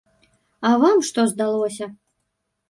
А вам што здалося?